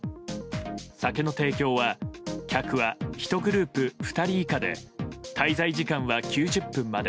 酒の提供は客は１グループ２人以下で滞在時間は９０分まで。